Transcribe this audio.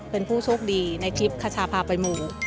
เป็นผู้โชคดีในคลิปคชาพาไปหมู่